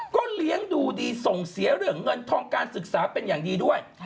ก็เลี้ยงดูดีส่งเสียเรื่องเงินทองการศึกษาเป็นอย่างดีด้วย